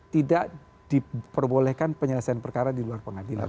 tidak diperbolehkan penyelesaian perkara di luar pengadilan